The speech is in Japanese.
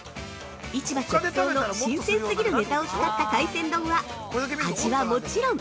市場直送の新鮮すぎるネタを使った海鮮丼は味はもちろん！